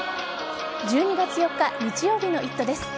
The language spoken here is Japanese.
１２月４日日曜日の「イット！」です。